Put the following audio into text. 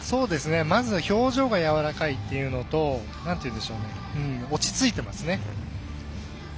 まず表情がやわらかいというのと落ち着いてますね。